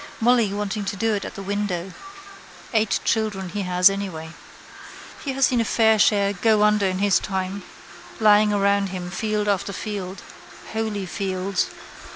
Molly wanting to do it at the window. Eight children he has anyway. He has seen a fair share go under in his time, lying around him field after field. Holy fields.